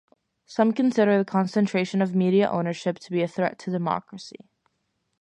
Some consider the concentration of media ownership to be a threat to democracy.